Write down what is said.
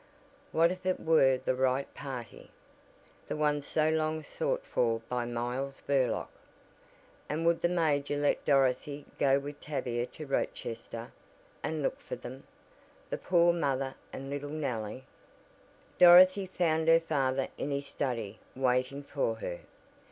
What if it were the right party? The one so long sought for by Miles Burlock! And would the major let Dorothy go with Tavia to Rochester, and look for them the poor mother and little Nellie! Dorothy found her father in his study waiting for her.